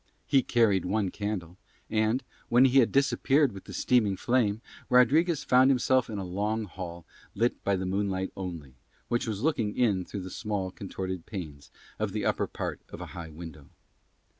He carried one candle and, when he had disappeared with the steaming flame, Rodriguez found himself in a long hall lit by the moonlight only, which was looking in through the small contorted panes of the upper part of a high window.